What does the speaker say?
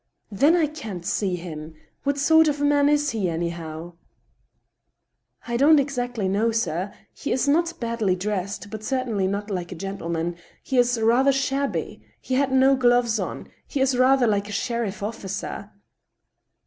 " Then I can't see him. What sort of man is he, anyhow? "•* I don't exactly know, sir. He is not badly dressed, but cer tainly not like a gentleman ; he is rather shabby. He had no gloves on. He is rather like a sheriff's officer."